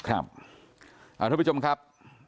ครับทุกผู้ชมครับ